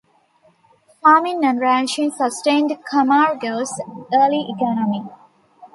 Farming and ranching sustained Camargo's early economy.